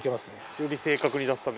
より正確に出すため？